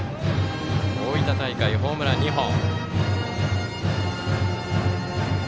大分大会、ホームラン２本。